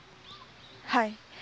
はい。